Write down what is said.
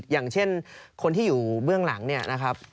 อย่างเช่นคนที่อยู่เบื้องหลังเนี่ยนะครับ